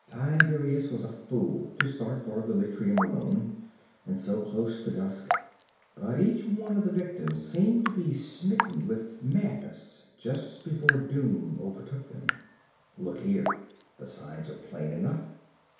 Tiberias was a fool to start for Velitrium alone, and so close to dusk. But each one of the victims seemed to be smitten with madness just before doom overtook him. Look here; the signs are plain enough.